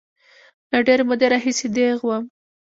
له ډېرې مودې راهیسې دیغ وم.